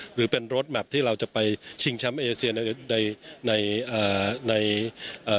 หรือเป็นที่เราจะไปชิงชัมเอเซียในในในอ่าในอ่า